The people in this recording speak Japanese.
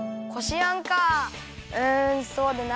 うんそうだな。